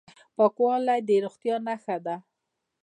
پاکوالی د روغتیا نښه ده.